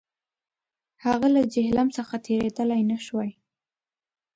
هغه له جیهلم څخه تېرېدلای نه شوای.